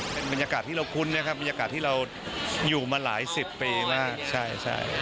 เป็นบรรยากาศที่เราคุ้นนะครับบรรยากาศที่เราอยู่มาหลายสิบปีมากใช่ใช่